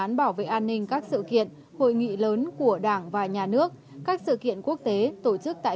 tiện nền hình các sự kiện hội nghị lớn của đảng và nhà nước các sự kiện quốc tế tổ chức tại